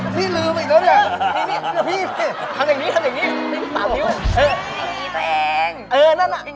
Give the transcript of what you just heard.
พี่ลืมอีกแล้วเนี่ย